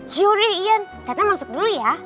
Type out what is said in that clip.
jodoh yan tata masuk dulu ya